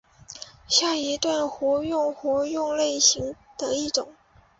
下一段活用活用类型的一种。